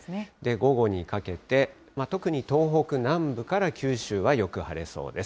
午後にかけて、特に東北南部から九州はよく晴れそうです。